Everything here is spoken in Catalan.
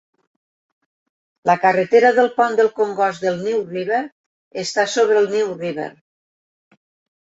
La carretera del pont del congost del New River està sobre el New River.